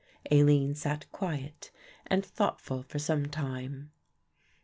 Aline sat quiet and thoughtful for some time.